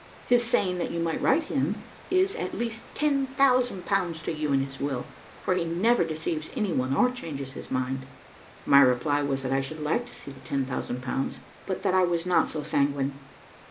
His saying that you might write to him is at least ten thousand pounds to you in his will, for he never deceives any one, or changes his mind." My reply was that I should like to see the ten thousand pounds, but that I was not so sanguine.